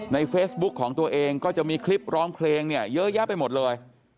ในเฟซบุ๊กของตัวเองก็จะมีคลิปร้องเพลงเนี่ยเยอะแยะไปหมดเลย